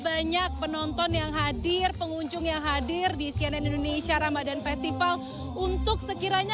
banyak penonton yang hadir pengunjung yang hadir di cnn indonesia ramadan festival untuk sekiranya